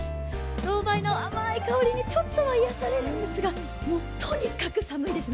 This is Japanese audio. ロウバイの甘い香りにちょっとは癒やされるんですがもうとにかく寒いですね。